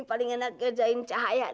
paling enak kerjain cahaya